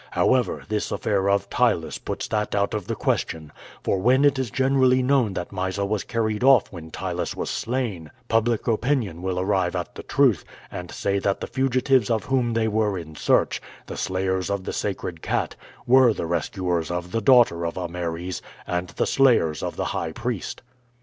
However, this affair of Ptylus puts that out of the question, for when it is generally known that Mysa was carried off when Ptylus was slain, public opinion will arrive at the truth and say that the fugitives of whom they were in search, the slayers of the sacred cat, were the rescuers of the daughter of Ameres and the slayers of the high priest."